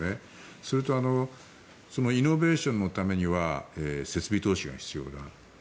それとイノベーションのためには設備投資が必要だと。